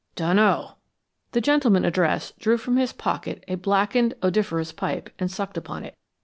"Dunno." The gentleman addressed drew from his pocket a blackened, odoriferous pipe and sucked upon it.